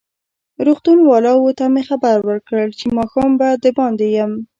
روغتون والاوو ته مې خبر ورکړ چې ماښام به دباندې یم.